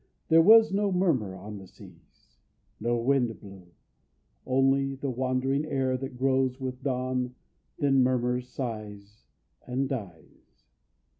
There was no murmur on the seas, No wind blew only the wandering air that grows With dawn, then murmurs, sighs, And dies.